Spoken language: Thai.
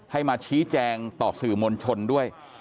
ให้มาชี้แจงต่อสื่อมวลชนด้วย